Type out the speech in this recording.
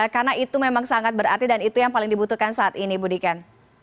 karena itu memang sangat berarti dan itu yang paling dibutuhkan saat ini bunikan